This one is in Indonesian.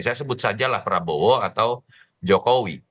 saya sebut saja lah prabowo atau jokowi